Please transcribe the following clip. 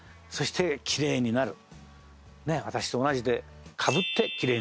私と同じで。